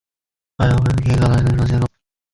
All the unions were childless.